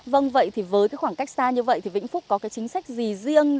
vâng vậy thì với khoảng cách xa như vậy vĩnh phúc có chính sách gì riêng